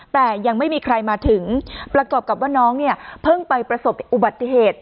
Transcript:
แต่ยังไม่มีใครมาถึงประกอบกับว่าน้องเนี่ยเพิ่งไปประสบอุบัติเหตุ